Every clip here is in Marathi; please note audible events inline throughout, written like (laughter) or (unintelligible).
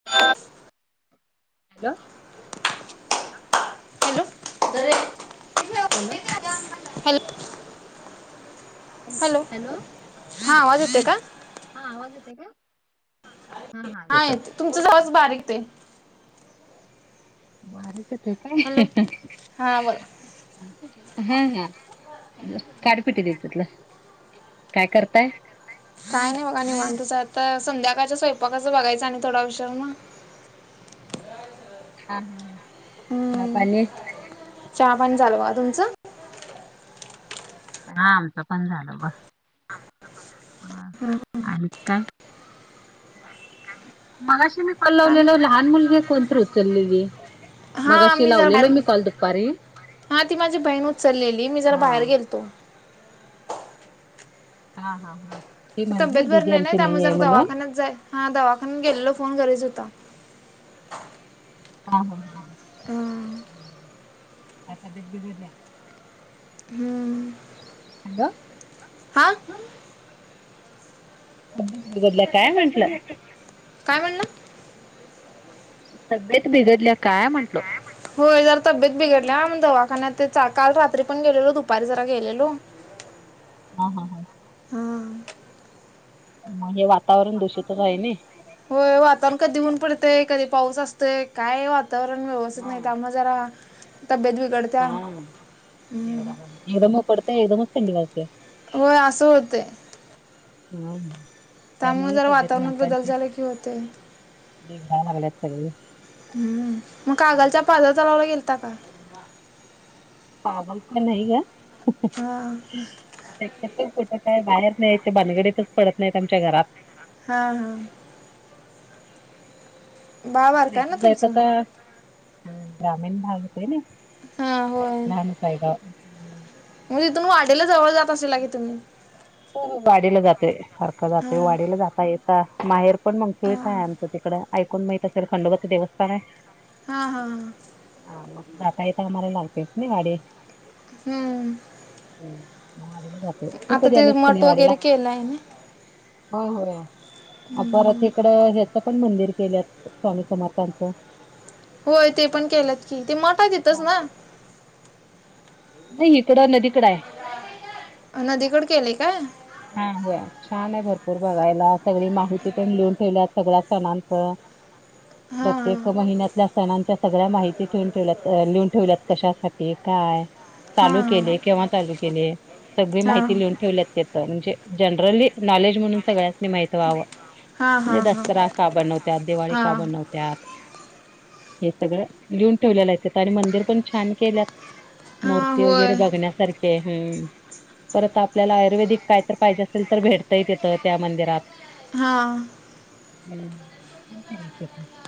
ह. हॅलो. हॅलो दरे. हॅलो. हल्प. हॅलो हा आवाज यते का? हा आवाज येत आहे का? हा हा नाही येतोय तुमचं झावच बारीक ते बारीच ते काय हॅलो हा बोला ह ह. काडीपिटी द्यायच्यातलं काय करताय? काय नाही बघा निी म्हण तोच आता संध्याकाळच्या स्वयंपाकाचं बघायचं आणि थोडा विषवर मग हा हा हा चहा हम्म पानी चहा पण चालू तुमचं? हा आमचं पण झालं ब आणि काय? मगाशी मी काय कलवलेल म्हणलं लहान मुलगी कोणतरी उचललेली हा मगाशी मी जर लावलेलो मी बाहेर कॉल दुपारी हा ती माझी बहीण उचललेली मी जरा हा बाहेर गेलतो. हा हा हा. ती तब्येत म्हटली भर दिदी नाही आमची त्यामुळे आहे जर म्हणून दवाखान्यात जाय हा दवाखान्यात गेलेलो फोन घरीच होता हा हा ह ह आता बेट बिघडल्या हम्म ह ना हा अ बदला काय म्हंटलं काय म्हणलं तब्येत बिघडल्या काय म्हंटल होय जर तब्येत बिघड म दवाखान्यात ते काल रात्री पण गेलेलो दुपारी जरा गेलेलो हा हा हा मग हे वातावरण दूषितच आहे ना होय वातावरण कधी ऊन पडतय कधी पाऊस असतय काय वातावरण व्यवस्थित हा नाही तबीयत ब कडते हा एकदम कडते एकदम ंडी वालतेय होय असं होतंय हम त्यामुळे जरा वातावरण बदल झाला की होते ग नाान ग्या तगली ह् मग कागलच्या पाजर चालावला गेलता का पागल तर नाही ग हा त कुठं काय बाहेर नाही ते बाानगडीतच पडत नाहीत आमच्या घरात हा हा बाळ बारक आहे ना येत तुमचं? आता ग्रामीण भागात आहे ना हा होय फयदा मग तिथून वाढेला जवळ जात असेल का की तुम्ही वाढला जातय सारखं हा जातय वाढला जाता येत माहेर पण हा मंगसुळीच आहे आमचं तिकडं ऐकून माहित असेल खंडपती देवस्थान आहे हा हा हा हा मग दातयता मारला आगतेत नाही वाडी हम्म ह मारीला आता ते मठ वगैरे केलंय ना होय होय परत हम्म. इकड पण मंदिर केल्या स्वामी समारथांचं होय ते पण केलात की ते मोठात येतच हा. ना नाही इकडं नदीकडं आहे नदीकड केलेय का हा हो छान आहे भरपूर बघायला सगळी माहिती त्यां लिहून ठेवल्या सगळ्या सणांचं हा प्रत्येक महिन्यातल्या सणांच्या सगळ्या माहिती ठेवून ठेवल्यात लिहून ठेवल्यात कशासाठी काय हा चालू केले केव्हा चालू केले सगळी हा हा माहिती लिहून ठेवल्यात तिथं म्हणजे जनरली नॉलेज म्हणून सगळ्या माहित ववं हा म्हणजे हा दसरा का बनवते दिवाळी हा का बनवते त्यात हे सगळं लिहून ठेवलेला आहे आणि मंदिर पण छान केल्यात हा मूर्ती वगैरे होय बघण्यासारखे हम् परत आपल्याला आयुर्वेदिक काय तर पाहिजे असेल तर भेटता येत येतं त्या मंदिरात हा. (unintelligible) (inaudible)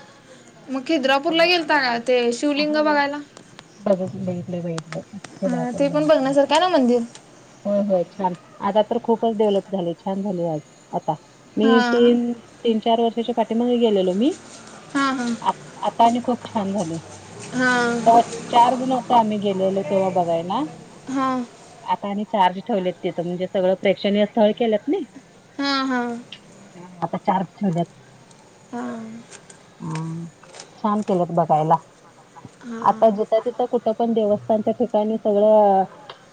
मग खिद्रापूरला बघा गेलता का? ते शिवलिंग होय बघायला? (unintelligible) (inaudible) हा, ते पण बघण्यासारखं आहे ना मंदिर. हो, हो, छान आहे, आता तर खूपच डेव्हलप झालय, छान झालय आता. मी हा ते तीन-चार वर्षाच्या पाठीमागे गेलेलो मी, हा हा आ आता आणि खूप छान झाल हा. चार जण होतो, आम्ही गेलेलो तेव्हा बघायला. हा. आता आणि चार्ज ठेवलेत तिथं,, म्हणजे सगळं प्रेक्षणीय स्थळ केल्यात नई हा हा, आता चार्ज ठेवल्यात. हा हम! छान केल्यात बघायला. हा आता जिथं-तिथं कुठं पण, देवस्थानच्या ठिकाणी सगळं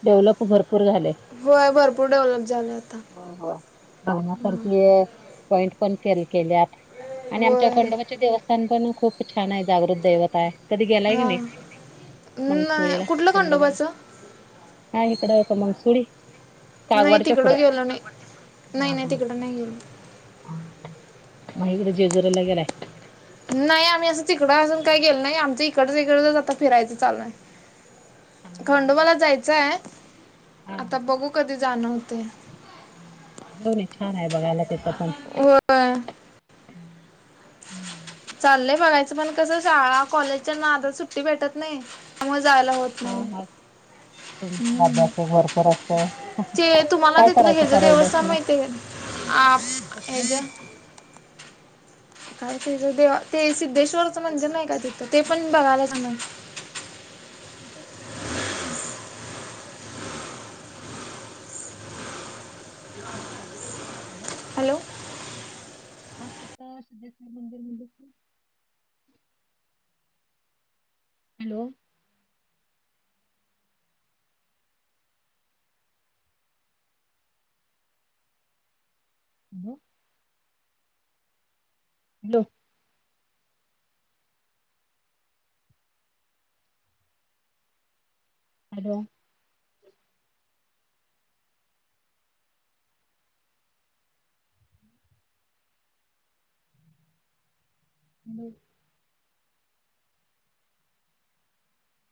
डेव्हलप भरपूर झालय. होय भरपूर डेव्हलप झालं आता (unintelligible) (inaudible) पॉइंट पण केलं केल्यात, आणि आमच्या होय खंडोबाच्या देवस्थ (unintelligible) खूप छान आहे, जागृत दैवता आहे, कधी गेलाय की नाही? हा नाही मगंसुळीला, कुठलं खंडबाई, खंडोबाचं का इकड का मंगसुळी. नाही कागवाडच्या पुढं तिकडं गेलो नाही, नाही-नाही तिकडं नाही गेलो. म इकडं जेजुरीला गेलाय? नाही आम्ही असं तिकडं अजून काय गेलो नाही, आमचं इकडच-इकडचच आता फिरायचं चाललंय. खंडोबाला जायचं आहे, आता बघू कधी जाणं होते. हो, छान आहे बघायला तेथ पण. होय. चाललंय बघायचं, पण कसं शाळा, कॉलेजच्या नादात, सुट्टी भेटत नाही, मग जायला होत हा. नाही हा. अभ्यास एक भरपूर असतोय, ते तुम्हाला काय करायचं ठरवल आहेस म? आ हेज (unintelligible) ते सिद्धेश्वरचं मंदिर नाही का तिथं? ते पण बघायलाच म्हण (unintelligible) (inaudible) हॅलो! हॅलो! हा, कुठ सिद्धेश्वर मंदिर? हॅलो! (unintelligible) (inaudible) हॅलो! हॅलो! (unintelligible) (inaudible)